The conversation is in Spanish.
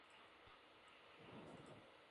Vive con su mujer y sus tres hijos en Reikiavik.